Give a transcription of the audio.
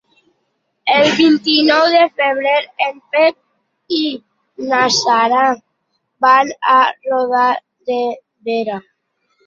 El vint-i-nou de febrer en Pep i na Sara van a Roda de Berà.